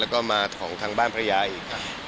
แล้วก็มาท้องทางบ้านพระยาอีก